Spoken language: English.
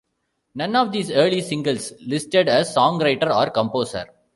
None of these early singles listed a songwriter or composer.